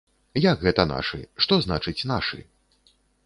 Як гэта нашы, што значыць нашы?